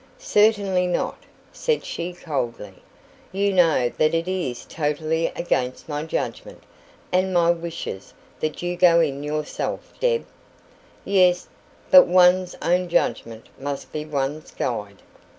"Certainly not," said she coldly. "You know that it is totally against my judgment and my wishes that you go in yourself, Deb?" "Yes. But one's own judgment must be one's guide."